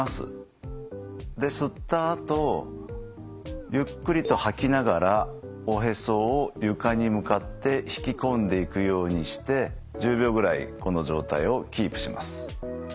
吸ったあとゆっくりと吐きながらおへそを床に向かって引き込んでいくようにして１０秒ぐらいこの状態をキープします。